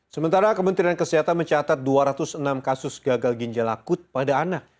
sementara kementerian kesehatan mencatat dua ratus enam kasus gagal ginjal akut pada anak